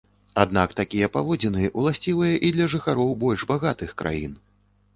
Аднак такія паводзіны ўласцівыя і для жыхароў больш багатых краін.